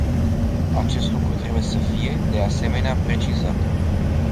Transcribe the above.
Acest lucru trebuie să fie, de asemenea, precizat.